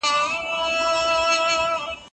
ایا ته په خپله موضوع کي کوم بل کتاب پیژنې؟